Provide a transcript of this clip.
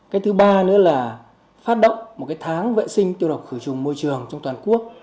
cái thứ ba nữa là phát động một tháng vệ sinh tiêu độc khử trùng môi trường trong toàn quốc